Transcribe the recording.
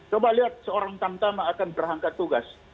coba lihat seorang tamtama akan berangkat tugas